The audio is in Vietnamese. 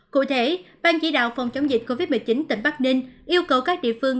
cụ thể ban chỉ đạo phòng chống dịch covid một mươi chín tp hcm yêu cầu các địa phương